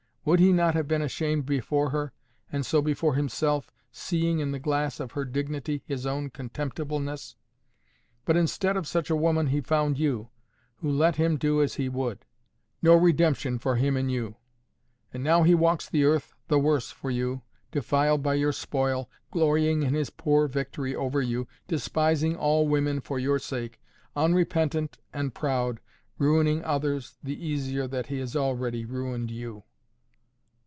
Would he not have been ashamed before her, and so before himself, seeing in the glass of her dignity his own contemptibleness? But instead of such a woman he found you, who let him do as he would. No redemption for him in you. And now he walks the earth the worse for you, defiled by your spoil, glorying in his poor victory over you, despising all women for your sake, unrepentant and proud, ruining others the easier that he has already ruined you."